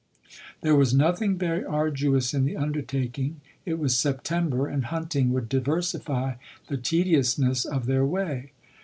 There was nothing very arduous in the undertaking. It was September, and hunting would diversify the tediousness of their way.